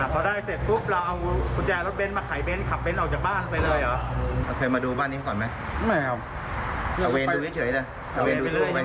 พอได้เสร็จปุ๊บเราเอากุญแจรถเบ้นมาขายเบ้น